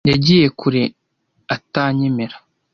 Yagiye kure atanyemera.